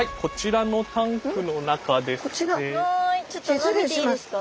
はいちょっと見ていいですか？